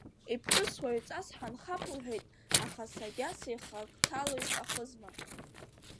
Иԥҳәыс уаҩҵас ҳанхап лҳәеит, аха Сагьаса ихы ак ҭало иҟахызма!